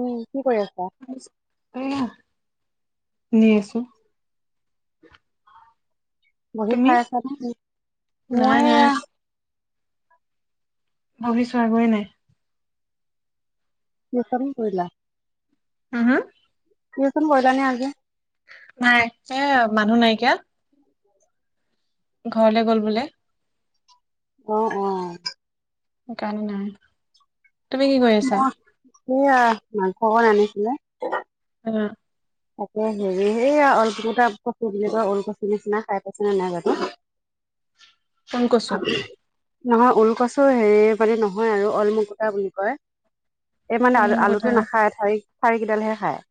উম কি কৰি আছা? নি আছো। বহি তুমি চাই আছা নে, নাই মই নাই ভাবিছো আগয় নাই। কিছৰ কৰিলা? হম হা? দিচন বল ন আগি। নাই এ মানুহ নাইকিয়া। ঘৰলে গ'ল বোলে। অ', অ', কাৰণে নাই তুমি কি কৰি আছা? মই সেয়া মাংস অকন আনিছিলে। অ', তাকে হেৰি সেয়া ল ক তটা কচি দিলে তো ওলকচি নিচিনা খাই পাইছে নে নাইটো [inaudible] কোন কচু? নহয় ওলকচো হেৰি মানে নহয় আৰু অলমকুটা বুলি কয়। এই মানে ফোন আলু কথা আলুটো নাখায় ঠাৰি ঠাৰি কেইডালহে খায়।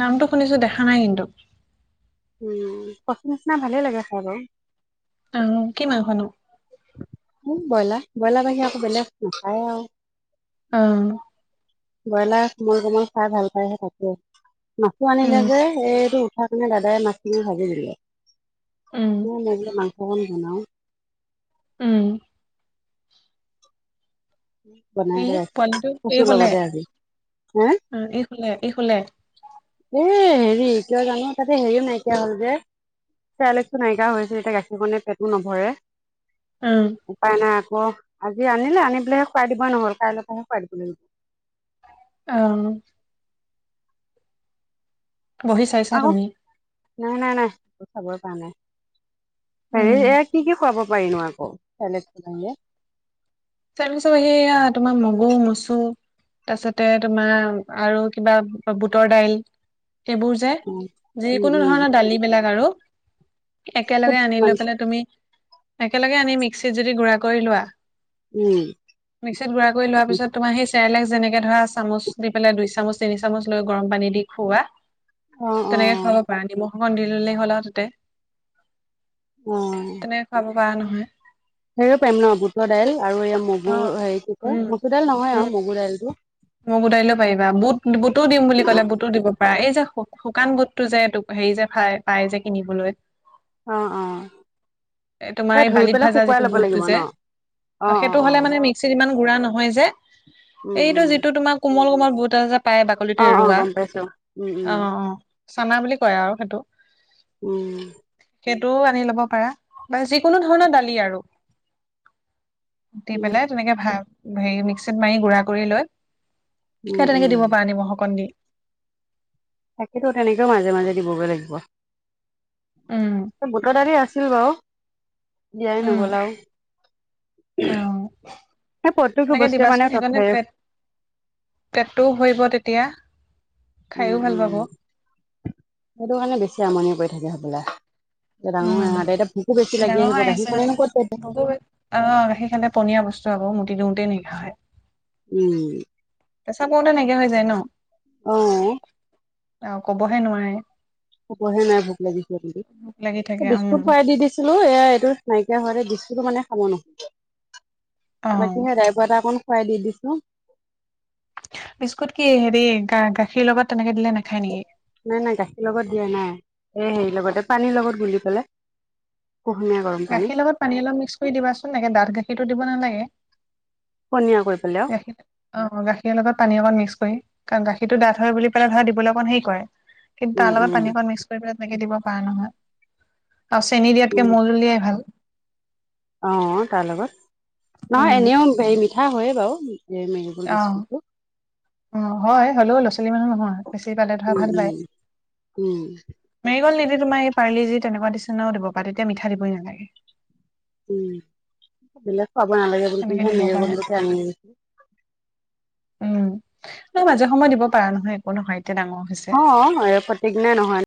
নামটো শুনিছো দেখা নাই কিন্তু। উম পচুৰ নিচিনা ভালে লাগে চাই বাৰু। অ' কিমান মাংস নো? উ ব্ৰইলাৰ ব্ৰইলাৰ পাহি আকৌ বেলেগ শায় আৰু। আহ। ব্ৰইলাৰ কোমল কোমল খাই ভাল পায়হে তাকে মাছো আনিলে উম যে এইটো অ', তোমাৰ দাদাই মাছখিনি ভাজি দিলে উম [unintelligible] ফল গনাওঁ। উম, বনাই ই কৰি ৰাখিম পোৱালীটো ই কচুৰ শুলে লগতে আজি হে উম, ই শুলে, ই শুলে? এ হেৰি কিয় জানো তাতে হেৰিও নাইকিয়া হল যে চাই লচোন নাইকিয়া হৈছে, এতিয়া গাখীৰ কণে পেটো নভৰে উম উপায় নাই অ', আজি আনিলো আনি পেলাইহে খুৱাই দিব নহল কাইলৈ পৰাহে খুৱাই দিব লাগিব। অ', বহি চাইছা তুমি [unintelligible] নাই- নাই - নাই। খাবৈ পাৰা নাই হেৰি উম এ কি কি খুৱাব পাৰিনো আকৌ [unintelligible] তাৰ পিছত সেয়া তোমাৰ মগু, মচু তাৰ পিছতে তোমাৰ আৰু কিবা বুটৰ দাইল। এইবোৰ যে উম উম যিকোনো ধৰণৰ দালি বিলাক আৰু। একেলগে আনি উম লৈ পেলাই তুমি, একেলগে আনি মিক্সিত যদি গুড়া কৰি লোৱা। মিক্সিত গুড়া কৰি লোৱা উম পিছত তোমাৰ সেই চেৰেলেক যেনেকে ধৰা চামুচ দি পেলাই দুই চামুচ তিনি চামুচ লৈ গৰম পানী দি খোৱা অ তেনেকে খুৱাব পাৰা নিমখ অকন দি ললেই হ'ল আৰু তাতে। উম, বা নহয়। হেৰিয়ও পাৰিম ন' বুটৰ দাইল আৰু এই অ মগুৰ হেৰি কি কয় উম মচুৰ দাইল নহয় উম আৰু মগু দাইলটো? মোক বোটাইলে পাৰিবা বুট বুটো দিম বুলি কলে বুটো দিব এই যে শুকান বুটটো যে হেৰি যোই পাই যে কিনিবলৈ। অ', অ', এ, তোমাৰ এই ধৰি বালিত পেলাই ভাজা শুকুৱাই যিটো ল'ব বুটটো লাগিব ন যে অ', সেইটো অ', হ'লে অ', মানে মিক্সিত ইমান গুড়া নহয় যে উম, এইটো উম, যিটো তোমাৰ কোমল কোমল বুত আছে পায় বাকলিটো অ অ এৰুৱা গম পাইছো উম উম অ', অ', চানা বুলি কয় আৰু সেইটো। উম, সেইটোও আনি লব পাৰা বা যিকোনো ধৰণৰ দালি আৰু। উতি উম পেলাই তেনেকে ভাল হেৰি মিক্সিত মাৰি গুড়া কৰি লৈ। উম তেনেকে উম দিব পাৰা নিমখ অকণ দি। তাকেতো তেনেকেও মাজে মাজে দিবগৈ লাগিব। উম বুটৰ দালি আছিল বাৰু। বিয়াই উম নগ'লাও অ হে প্ৰতকটো বস্তু মানে [unintelligible] পেটটো হৈব তেতিয়া। উম খাইও ভাল উম, পাব সেইটো কাৰণে বেছি আমনি কৰি থাকে হবলা। এতিয়া ডাঙৰ উম আহতে এতিয়া ভোকো বেছি লাগি ডাঙৰ আহিব হৈ আহিছে গাখীৰখনো নহয় ক'ত প ধুনীয়া বস্তু আকৌ মটি দিওঁতেই নিশাে উম। কেঁচাাপৰ তেনেকা হৈ যায় ন? অ', অ', ক'বহে নোৱাৰে। শুকোৱা হে নাই ভোক লাগিছিলে ভোক লাগি থাকে কিন্ত। উম বিস্কুট খৰাই দি দিছিলোঁ, এয়া এইটো নাইকিয়া হৈতে বিস্কুতটো মানে খাব ন' অ বাকী সেই ড্ৰাইভাৰ এটা অকণ খুৱাই দি দিছো। বিস্কুত কি হেৰি গা গাখীৰ লগত তেনেকে দিলে নাখায় নেকি নাই নাই গাখীৰ লগত দিয়া নাই। এ হেৰি লগতে পানীৰ লগত গুলি পলে। গাখীৰ লগত পানী অলপ মিক্স কৰি দিবাচোন নকে দাঁঠ গাখীৰটো দিব নালাগে। পনীয়া কৰি পেলাই আৰু গাখীৰ অ' গাখীৰ লগত পানী অকণ মিক্স কৰি। কাৰণ গাখীৰতটো ডাঠ হয় বুলি পেলাই ধৰা দিবলৈ অকণ হে কৰে কিন্তু উম তাৰ লগত উম পানী অকণ মিক্স কৰি পেলাই তেনেকে দিব নহয়, আৰু চেনী দিয়াতকে উম মৌজুলিয়াই ভাল। অ' তাৰ লগত নহয় উম এনেও হেৰি মিঠা হয়য়ে বাৰু। এই মেৰিগল অ' বিস্কুটটো অ' হয় হ্লেও লচোন [unintelligible] উম উম উম দি তোমাৰ এই পাৰ্ি যি তেনেকুৱা নিচিনাও দিব পাৰা তেতিয়া মিঠা দিবই নালাগে। উম পাব নালাগে বুলি সেনেকে তহে দিব মজে বল পাৰা গৈছো। উম ন মাজে সময় দিব পাৰা নহয় একো নহয়। এতিয়া ডাঙৰ হৈছে অ' সতি দিনা নহয়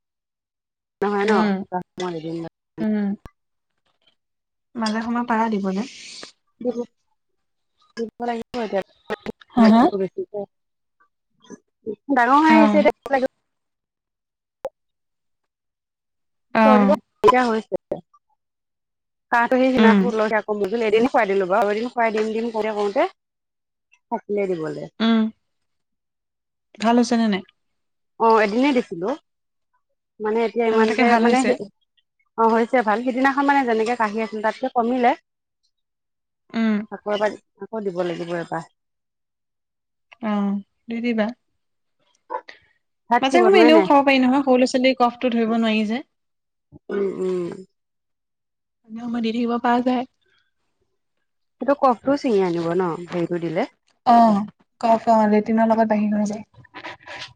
নহয় ন উম এিন উম মাজে সময়ে পাৰা দিবলৈ। হা হা [unintelligible] ডাঙৰ অ হৈ আহিছে এতিয়া লাগ অ শ হৈছে। হাহটো সেইদিনা উম ল থ কো এদিন খুৱাই দিলো বাৰু এদিন খুৱাই দিম দিম কওঁতে কৰওঁতে হয়। উম, ভাল হৈছে নে নাই? অ' এদিনে দিছিলো। মানে এতিয়া অ তাকে ইমানকে ভাল মানে, হৈছে অ' হৈছে ভাল সিদিনা মানে যেনেকে কাঢ়ি আছিল তাতকে কমিলে। উম আকৌ এবাৰ আকৌ দিব লাগিব এবাৰ। আহ দি দিবা। ভাত কি মাজে সময়ে বনোৱাই এনেও নাই খাব পাৰি নহয় সৰু ল'ৰা ছোৱালীৰ কফটো ধৰিব নোৱাৰি যে। উম উম। আ আম দ দেৰি হ'ব [unintelligible] সেইটো কফটোও ছিঙি আনিব ন হেৰিটো দিলে। অ' কফ অ' লেটিনৰ লগত বাহিৰ হৈ যায়।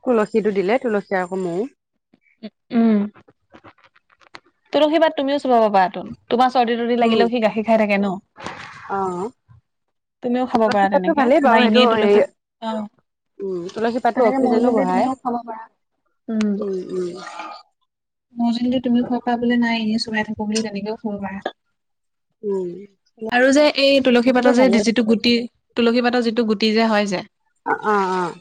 তুলসীটো দিলে তুলসী আকৌ মৌ। উ উম। তুলসী পাত তুমিও চবাব পাৰ তোন তোমাৰ চৰ্দি তৰ্দি লাগিলেও সি গাখীৰ খাই থাকে ন। আহ। তুমিও খাব পাৰা তুলসী পাতটো তেনেকে ভালেই বা বাৰু সেইটো এনেই হে তুলসী অ উ তুলাসী তাতো তেনেকে মৌ জোল অক্সিজেনো দি বঢ়াই তুমিও খাব পাৰা উম, উম, কমিলি [unintelligible] উম আৰু যে এই তুলসী সেইটো পাতৰ যে ভালেই যিটো গুটি তুলসী পাতৰ যিটো গুটি যে হয় যে। অ', অ', অ',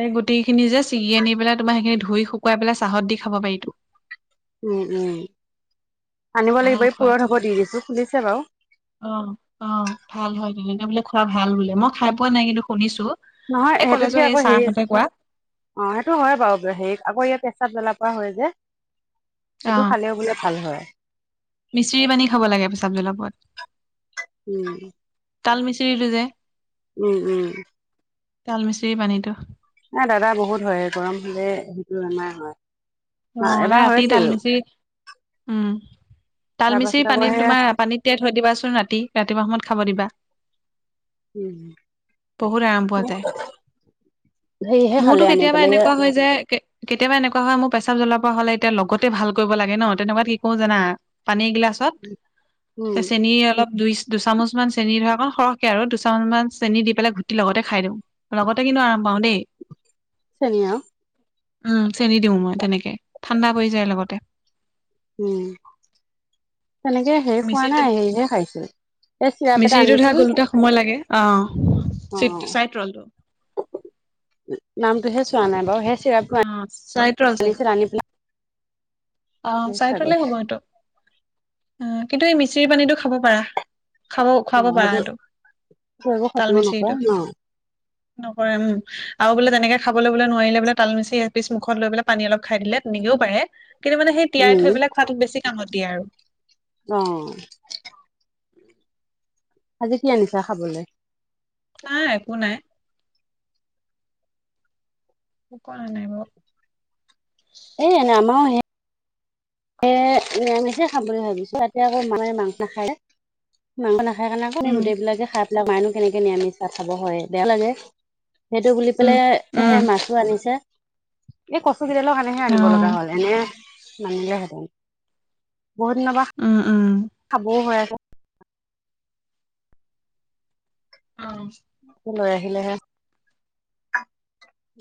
এই গোটেই খিনি যে ছিঙি আনি পেলাই তোমাৰ সেইখিনি ধুই শুকুৱাই পেলাই চাহত দি খাব পাৰিতো। উম, উম, আনিব ভাল লাগিব এই খোৱা পুৰঠ হ'ব দি দিছো খুজছে বাৰু। অ অ ভাল হয় তেনেকে বোলে খোৱা ভাল বোলে মই খাই পোৱা নাই কিন্তু শুনিছোঁ। নহয় সেইটোত আকৌ সে অ' সেইটো হয় বাৰু সে আকৌ ইয়াত পেচাব জ্বলা কোৱা হয় যে, সেইটো খালেও বোলে ভাল হয়। মিস্ত্ৰী পানী খাব লাগে পেচাব জ্বলাপুৰাত। উম তাল মিচৰিটো যে। উম উম। তাল মিচিৰি পানীটো। না দাদা বহুত শুৱে, গৰম হলে সেইটো বেমাৰ হয়। অ', এবাৰ ৰাতি হৈছিল তালমিচৰি উম, তাৰ পাছত তালমিচৰি আকৌ পানীত সেয়া তোমাৰ পানীত তিয়াই থৈ দিবাচোন ৰাতি ৰাতিপুৱা সময়ত খাব দিবা। উম, বহুত আৰাম পোৱা যায় হেৰিহে মোৰতো খালে আনি কেতিয়াবা পেলাই ইয়া এনেকুৱা হয় যে কেতিয়াবা এনেকুৱা হয় মোৰ পেচাব জ্বলাপুৰা হ'লে এতিয়া লগতে ভাল কৰিব লাগে ন' তেনেকুৱাত কি কৰো জানা পানীগিলাক উম পাছত চেনি অলপ দুই দুচামুচ মান চেনি ধৰা সৰহকে আৰু দুচামুচমান চেনি দি পেলাই ঘুটি লগতে খাই দিওঁ, লগতে কিন্তু আৰাম পাওঁ দেই। চেনি আও। উম, চেনি দিও মই তেনেকে ঠাণ্ডা পৰি যায় লগতে। উম, তেনেকে শেষ হোৱা নাই মিচিৰিটোত সেহে খাইছিল এই চিৰাপ এটা মিচিৰিটো ধৰা আনিছিলোঁ গলোতে সময় লাগে অ চিটটো অ', চাইড ৰলটো নামটোহে চোৱা নাই বাৰু হে অ চাইড ৰল চাগে [unintelligible] অ', চাই থলে হব এইটো আ, কিন্তু এই মিচিৰি পানীটো খাব পাৰা। খাব অ খুৱাব সেইটো পাৰাতো। একো খতিও তালমিচৰিটো নকৰে ন নকৰে উম, আৰু বোলে তেনেকে খাবল'বলৈ নোৱাৰিলে বোলে তালমিচৰি এ পিচ মুখত লৈ পেল পানী অলপ খাই দিলে তেনেকেও পাৰে। কিন্তু মানে সেই তিয়াই উম থৈ পিলাই খোৱাতোক বেছি কাম দিয়ে আৰু। অ', আজি কি আনিছা খাবলৈ? নাই একো নাই। ক নাই ব। এ এনে আমাৰো সে এ নিৰামিষে খাম বুলি ভাবিছো ইতে আকৌ মে মাংস নাখায় মাংস নাখ সেইকাৰণে আকৌ আমি উম গোটেইবিলাকে খাই পেলাই মায়েনো কেনেকেনো নিৰামিষ ভাত খাব হয় বেয়াও লাগে। সেইটো বুলি উম পেলাই সে উম মাছো আনিছে এই কচ চকডালৰ কাৰনেহে অ আনিব লগা হ'ল এনে নানিলে হেতেন। বহুত দিনৰ পৰা উম উম খাবও হৈ আছে। অ', লৈ আহিলেহে।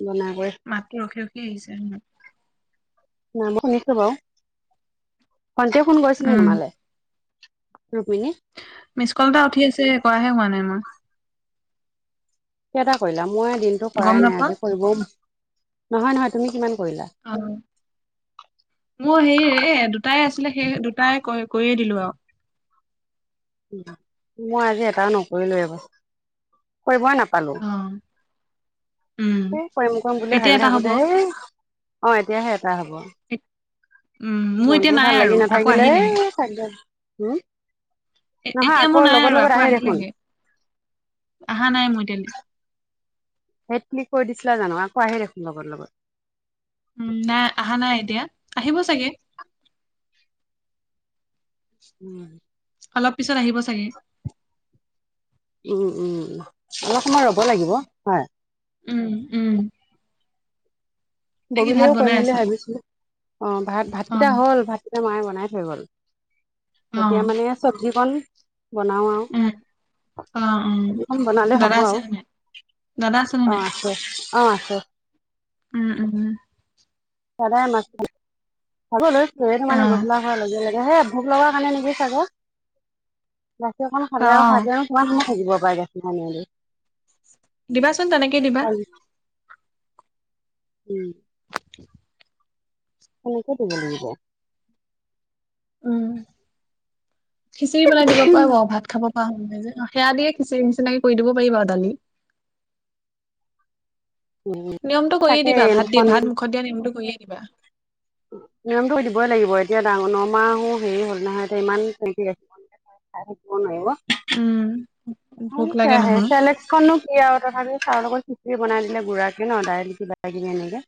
বনাই কৰি মাতটো ৰখি ৰখি আহিছে। নাই মই শুনিছো বাৰু ভণ্টিয়ে ফোন কৰিছিলে নে উম তোমালে? ৰুক্মিণী মিচ কল এটা উঠি আছে কৰাহে হোৱা নাই মই। কেতা কৰিলা মই দিনটো গম কৰাই নাই নাপা আজি কৰিবও, নহয় নহয় তুমি কিমান কৰিলা? অ' মোৰ হেৰি এ দুটাই আছিলে সেই দুটাই কয় কৰি দিলোঁ আৰু। মই আজি এটাও নকৰিলো এব। কৰিবই নাপালো। অ উম এ কৰিম কৰিম বুলি এতিয়া ভাবি এটা হ'ব থাকোতে এই অ' এতিয়াহে এ হ'ব, উম মোৰ এতিয়া মনটোও নাই ভাল আৰু লাগি আকৌ নাথাকিলে আহিলেহে থাক দে। হম। এ এতিয়া মোৰ নাই আৰু আকৌ আহিলেহে, আহা নাই মোৰ এতিয়ালৈ। সেই তমি কৈ দিছিলা জানো আকৌ আহি দেখোন লগৰ লগত। উম, নাই আহা নাই এতিয়া আহিব চাগে। উম, অলপ পিছত আহিব চাগে। উম উম, অলপ সময় ৰ'ব লাগিব হয়। উম, উম, নে কি বহিলৈ ভাত কৰিম বনাই বুলি আছা ভাবিছিলো অ, ভাত অ ভাতকেইটা হল ভাত মায়ে বনাই থৈ গ'ল, অ এতিয়া মানে চব্জিকণ বনাও আৰু। উম অ উম [unintelligible] খন বনালে দাদা হ'ব আৰু, আছেনে নাই দাদা আছেনে অ' নাই আছে। অ' আছে। উম উম। সদায় মাছ চাব লৈছো চৰিয়াটো অ মানে গধূলা হোৱাৰ লগে লগে হে ভোক লগা কাৰণে নিবি চাগে, গাখী অকন অ খালে আৰু খাই পেলায় কিমান সম থাকিব পাৰে গাখি পানীয়েদি। দিবাচোন তেনেকেই দিবা। উম। সনেকে দিব লাগিব। উম, খিচিৰি বনাই দিব পাৰিব ভাত খাব সেয়া দিয়ে খিচিৰি নিচিনাকি কৰি দিব পাৰিবা আৰু দালি। উম নিয়মটো কৰিয়ে তাকে দিবা ভাত দিয়া দুখন ভাত মুখত দিয়া নিয়মটো কৰিয়ে দিবা। নিয়মটো দিবই লাগিব এতিয়া ডাঙৰ নমাহো হেৰি হ'ল নহয় এতিয়া ইমান [unintelligible] খাই থাকিব নোৱাৰিব। উম। ভোক লাগে নহয়। চেৰলেক্সকণ নো কি আৰু তথাপিও চাহৰ লগত খিচিৰি বনাইডিলে গুৰাকে ন' দাইল কিবা কিবি এনেকে।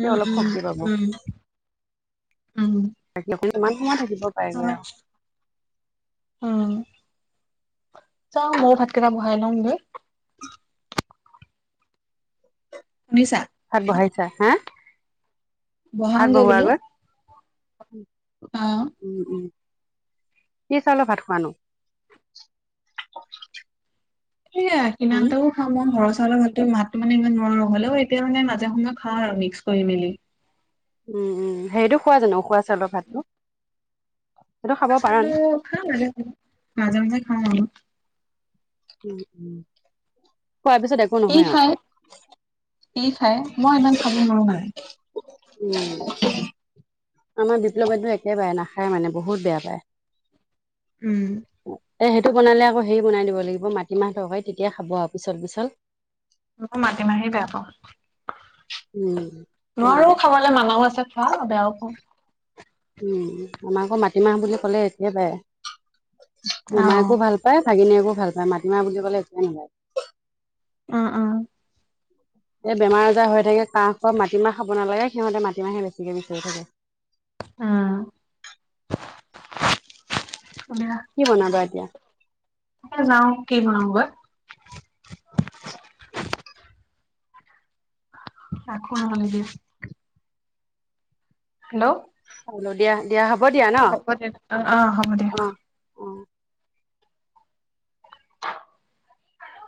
তেওঁ উম অলপ উম, শক্তি পাব উম, উম। বাক অক ইমান সময় থাকিব পাৰেগৈ যাওক আৰু। উম চাও ময়ো ভাতকেইটা বহাই লংগে। শুনিছা? ভাত বঢ়াইছা হা। ভাত বহাংগে বোলো। বহোৱাগৈ অ। উম উম। কি চাউলৰ ভাত খোৱানো? সেইয়া উম কিনান্তও খাওঁ মই ঘৰ ল মাহতো মানে ইমান নোৱাৰো হ'লেও এতিয়া মানে মাজে সময় খাওঁ আৰু মিক্স কৰি মেলি। উম উম, সেইৰিটো খোৱা জানো উখুৱা চাউলৰ ভাতটো? সেইটো খাব উকা পাৰা চাউলটো নে? খাও মাজ মাজে মাজে খাওঁ আও। উ উ, খোৱাৰ পিছত একো নহয় আৰু। টি খাই, মই ইমান খাব নোৱাৰো মানে। উম, আমাৰ বিপ্লৱত একে বাৰে ন খাই মানে বহুত বেয়া পায়। উম, এ সেইটো বনালে আকৌ হেৰি বনাই দিব লাগিব মাটিমাহ টৰকাৰি তেতিয়া খাব আৰু পিছল পিছল। মই মাটিমাহে বেয়া পাওঁ। উম, নোৱাৰো খাবলৈ মানুহ আছে খোৱা বেয়াও পাওঁ। উম, আমাৰ আকৌ মাটিমাহ বুলি ক'লে এতিয়াই বাই মোমায়েকো ভাল পায় ভাগিনীয়েকো ভাল পায় মাটিমাহ বুলি ক'লে একো নালাগে। অ', অ'। এই বেমাৰ আজাৰ হৈ থাকে কাঁহপা মাটিমাহ খাব নালাগে সিহঁতে মাটিমাহে বেছিকে বিচাৰি থাকে। উম। কি বনাবা এতিয়া? এ যাওঁ কি বনাইগৈ। আখো নহলে দে হেল্ল' চাউলৰ দিয়া দিয়া হ'ব দিয়া ন হ'ব দে অ' হ'ব দে। অ অ